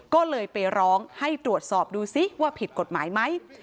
ก็เลยไปร้องให้ตรวจสอบดูซิว่าผิดกฎหมายไหม